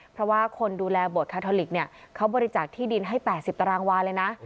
เพราะว่าคนดูแลโบสคาทอลิกเนี่ยเขาบริจาคที่ดินให้๘๐ตารางวาเลยนะ